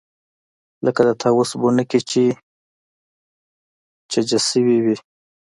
لکه د طاووس بڼکې چې چجه سوې وي.